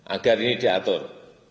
agar ini diatur